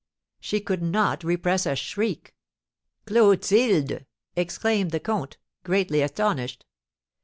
She could not repress a shriek. "Clotilde!" exclaimed the comte, greatly astonished.